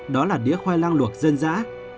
đó là đĩa khoai lang luộc dân dã